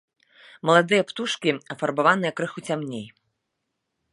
Маладыя птушкі афарбаваныя крыху цямней.